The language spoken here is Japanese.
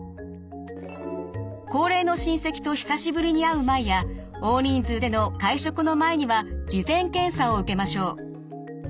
高齢の親戚と久しぶりに会う前や大人数での会食の前には事前検査を受けましょう。